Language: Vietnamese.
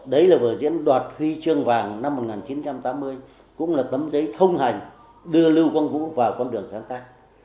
đấy là vở diễn đoạt huy chương vàng năm một nghìn chín trăm tám mươi cũng là tấm giấy thông hành đưa lưu quang vũ vào con đường sáng tác